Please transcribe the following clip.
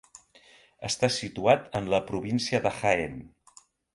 Està situat en la província de Jaén.